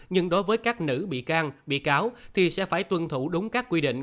nhưng đối với các nữ bị can bị cáo thì sẽ phải tuân thủ đúng các quy định